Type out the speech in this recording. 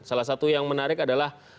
salah satu yang menarik adalah